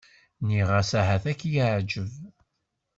Nniɣ-as ahat ad k-yeεǧeb.